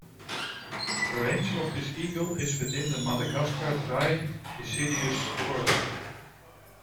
The range of this eagle is within the Madagascar dry deciduous forests.